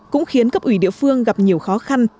cũng khiến cấp ủy địa phương gặp nhiều khó khăn